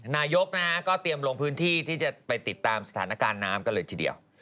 นายกนะฮะก็เตรียมลงพื้นที่ที่จะไปติดตามสถานการณ์น้ำกันเลยทีเดียว